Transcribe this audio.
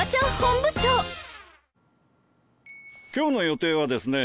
今日の予定はですね